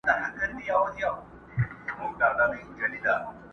چي دي هر گړی زړه وسي په هوا سې!!